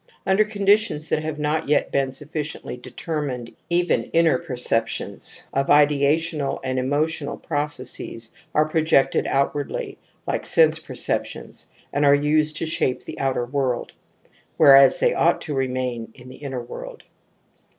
) Under conditions that have not yet been sufficiently determined even inner perceptions of ideational and emotional processes are projected outwardly, like sense perceptions, and are used to shape the outer world, whereas they ought to remain in the inner world.